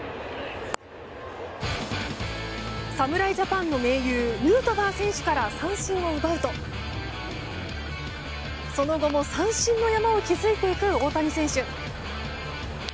侍ジャパンの盟友ヌートバー選手から三振を奪うとその後も三振の山を築いていく大谷選手。